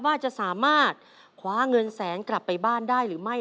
ว่าจะสามารถคว้าเงินแสนกลับไปบ้านได้หรือไม่